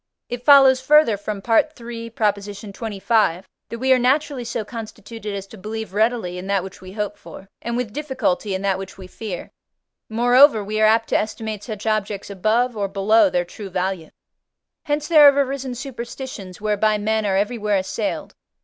It follows, further, from III. xxv., that we are naturally so constituted as to believe readily in that which we hope for, and with difficulty in that which we fear; moreover, we are apt to estimate such objects above or below their true value. Hence there have arisen superstitions, whereby men are everywhere assailed.